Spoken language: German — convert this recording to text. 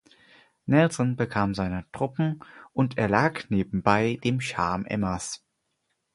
Nelson bekam seine Truppen und erlag nebenbei dem Charme Emmas.